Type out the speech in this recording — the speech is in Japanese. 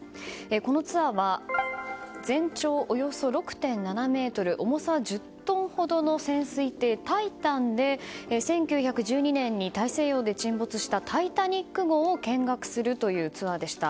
このツアーは全長およそ６．７ｍ重さ１０トンほどの潜水艇「タイタン」で１９１２年に大西洋で沈没した「タイタニック号」を見学するというツアーでした。